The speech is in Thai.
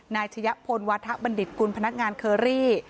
ชะยะพลวาทะบัณฑิตกุลพนักงานเคอรี่